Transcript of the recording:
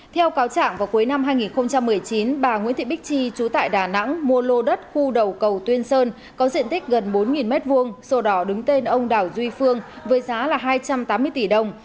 theo cáo trạng vào cuối năm hai nghìn một mươi chín bà nguyễn thị bích chi chú tại đà nẵng mua lô đất khu đầu cầu tuyên sơn có diện tích gần bốn m hai sổ đỏ đứng tên ông đào duy phương với giá là hai trăm tám mươi tỷ đồng